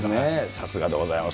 さすがでございます。